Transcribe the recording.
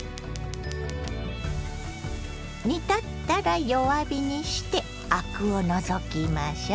煮立ったら弱火にしてアクを除きましょう。